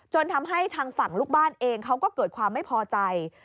ทำให้ทางฝั่งลูกบ้านเองเขาก็เกิดความไม่พอใจ